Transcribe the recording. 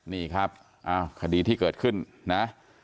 นี่ครับคดีที่เกิดขึ้นนะ